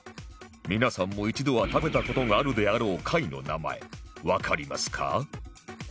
皆さんも一度は食べた事があるであろう貝の名前わかりますか？